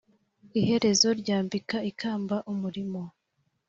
iherezo ryambika ikamba umurimo.